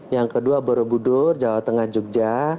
yang kedua borobudur jawa tengah jogja